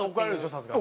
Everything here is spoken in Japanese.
さすがに。